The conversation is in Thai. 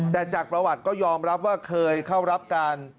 แต่จากประวัติก็ยอมรับว่าเคยเข้ารับการ